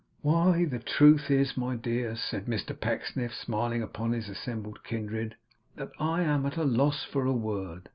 'Why, the truth is, my dear,' said Mr Pecksniff, smiling upon his assembled kindred, 'that I am at a loss for a word.